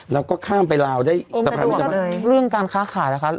เราก็ข้ามไปลาวได้สะพานมิตรภาพเรื่องการค้าขายนะคะ